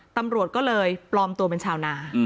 ตำรวจก็เลยปลอมตัวเป็นชาวนา